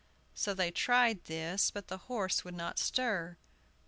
So they tried this, but the horse would not stir.